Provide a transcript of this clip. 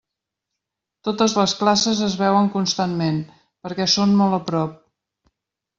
Totes les classes es veuen constantment, perquè són molt a prop.